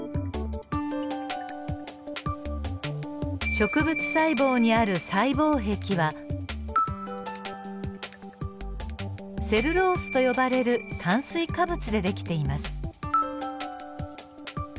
植物細胞にある細胞壁はセルロースと呼ばれる炭水化物でできています。